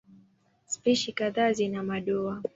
Spishi kadhaa zina madoa.